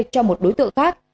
cho một đối tượng khác